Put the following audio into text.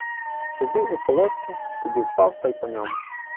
— Сидів у полотці, тоді впав та й по ньому...